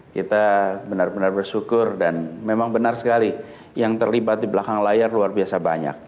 kita benar benar bersyukur dan memang benar sekali yang terlibat di belakang layar luar biasa banyak